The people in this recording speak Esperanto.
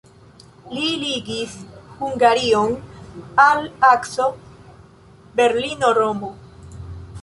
Li ligis Hungarion al akso Berlino-Romo.